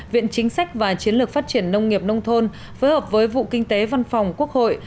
viện chính sách và chiến lược phát triển nông nghiệp nông thôn phối hợp với vụ kinh tế văn phòng quốc hội